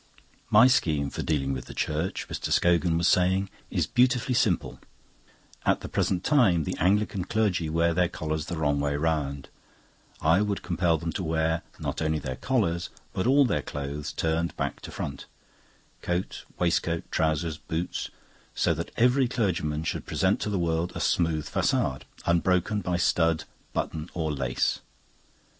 "...My scheme for dealing with the Church," Mr. Scogan was saying, "is beautifully simple. At the present time the Anglican clergy wear their collars the wrong way round. I would compel them to wear, not only their collars, but all their clothes, turned back to frantic coat, waistcoat, trousers, boots so that every clergyman should present to the world a smooth facade, unbroken by stud, button, or lace.